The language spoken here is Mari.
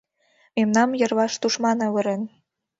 Мемнам йырваш тушман авырен!